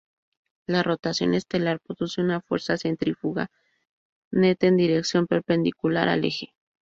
La rotación estelar produce una fuerza centrífuga neta en dirección perpendicular al eje.